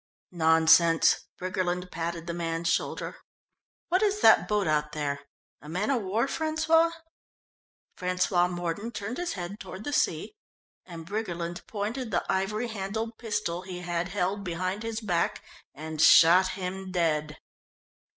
"Nonsense," Briggerland patted the man's shoulder. "What is that boat out there a man o' war, François?" François Mordon turned his head toward the sea, and Briggerland pointed the ivory handled pistol he had held behind his back and shot him dead.